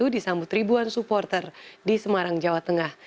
disambut ribuan supporter di semarang jawa tengah